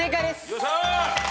よっしゃ。